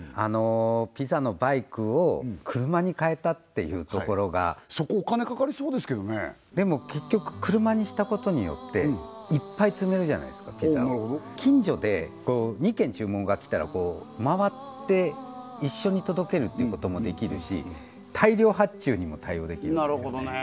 ピザのバイクを車に変えたっていうところがそこお金かかりそうですけどねでも結局車にしたことによっていっぱい積めるじゃないすかピザを近所で２軒注文が来たら回って一緒に届けるっていうこともできるし大量発注にも対応できるんですよね